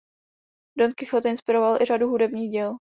Don Quijote inspiroval i řadu hudebních děl.